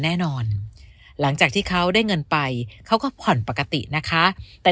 หลังจากที่เขาได้เงินไปเขาก็ผ่อนปกตินะคะแต่